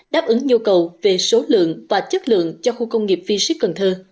đáp ứng nhu cầu về số lượng và chất lượng cho khu công nghiệp v ship cần thơ